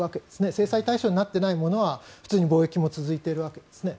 制裁対象になっていないものは普通に貿易も続いているわけですね。